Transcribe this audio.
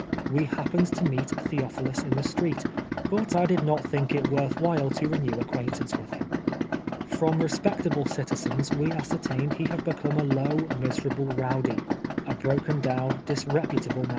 We happened to meet Theophilus in the street, but I did not thiidc it worth while to renew acquaintance with him. From respectable citiziMw we ascertained he had become a low, miserable row<ly — a broken down, disreputable man.